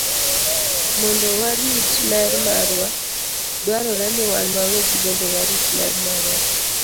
Mondo warit ler marwa, dwarore ni wan wawegi bende warit ler marwa.